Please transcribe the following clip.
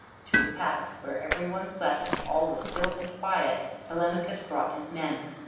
To the palace, where every one slept and all was still and quiet, Telemachus brought his men.